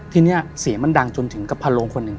ทีนี้เสียงมันดังจนถึงกับพันโลงคนหนึ่ง